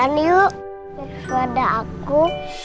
next pada aku